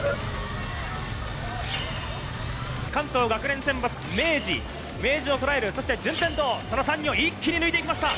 関東学連選抜、明治、明治をとらえる、そして順天堂、この３人を一気に抜いていきました。